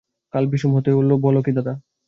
কালু বিষম ভীত হয়ে বললে, বল কী দাদা!